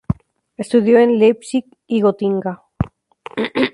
Estudió en Leipzig y Gotinga.